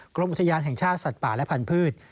กรมอุทยานแห่งชาติสัตว์ป่าและพันธุ์